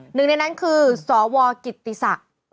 หนึ่งในนั้นคือสวกิติศักดิ์